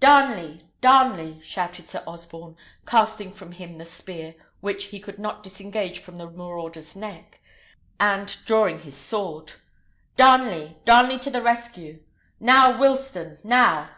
"Darnley! Darnley!" shouted Sir Osborne, casting from him the spear, which he could not disengage from the marauder's neck, and drawing his sword. "Darnley! Darnley to the rescue! Now, Wilsten! now!"